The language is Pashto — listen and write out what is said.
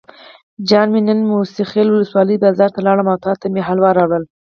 جان مې نن موسی خیل ولسوالۍ بازار ته لاړم او تاته مې حلوا راوړل.